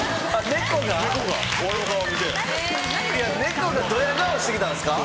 猫がドヤ顔して来たんですか？